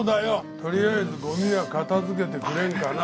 とりあえずゴミは片づけてくれるかな。